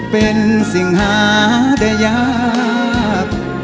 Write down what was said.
เป็นสิ่งหาได้ยาก